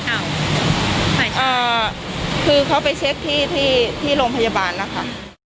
อ้าวคือเขาไปเช็คที่ที่โรงพยาบาลนะคะ